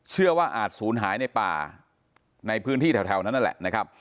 เชื่อว่าอาจสูญหายในป่าในพื้นที่แถวนั่นแหละนะครับ